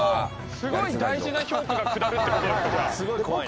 すごい大事な評価が下るってことですか